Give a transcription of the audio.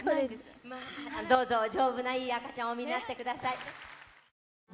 どうぞ丈夫ないい赤ちゃんをお産みになって下さい。